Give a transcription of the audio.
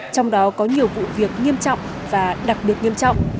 trong đó có nhiều vụ việc nghiêm trọng và đặc biệt nghiêm trọng